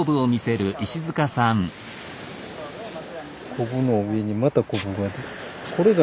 ここの上にまたコブが。